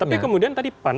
tapi kemudian tadi pan